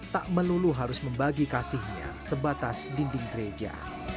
tak melulu harus membagi kasihnya sebatas dinding gereja